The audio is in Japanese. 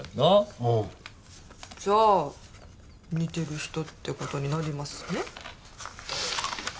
おう。じゃあ似てる人って事になりますね。